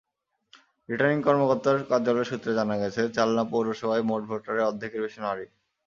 Returning কর্মকর্তার কার্যালয় সূত্রে জানা গেছে, চালনা পৌরসভায় মোট ভোটারের অর্ধেকের বেশি নারী।